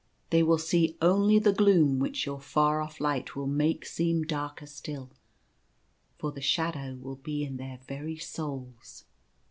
They will see only the gloom which your far off light will make seem darker still, for the shadow will be in their very souls.